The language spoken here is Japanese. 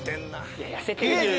いや痩せてるだろ。